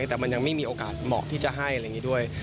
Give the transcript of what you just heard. แต่มันยังไม่มีโอกาสเหมาะที่จะให้อะไรอย่างนี้ด้วย